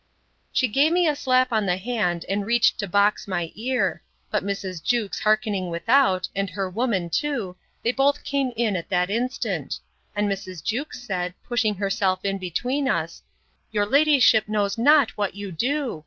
She gave me a slap on the hand, and reached to box my ear; but Mrs. Jewkes hearkening without, and her woman too, they both came in at that instant; and Mrs. Jewkes said, pushing herself in between us; Your ladyship knows not what you do!